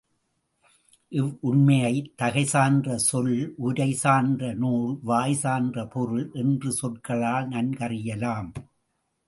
இவ்வுண்மையை தகை சான்ற சொல், உரை சான்ற நூல், வாய் சான்ற பொருள் என்ற சொற்களால் நன்கறியலாம்.